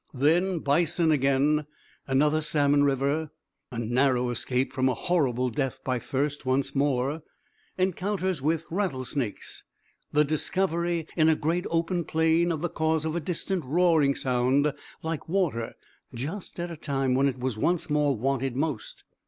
Then bison again another salmon river a narrow escape from a horrible death by thirst once more encounters with rattlesnakes the discovery in a great open plain of the cause of a distant roaring sound like water, just at a time when it was once more wanted most.